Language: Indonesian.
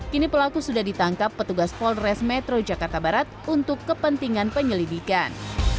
kini pelaku sudah ditangkap petugas polres metro jakarta barat untuk kepentingan penyelidikan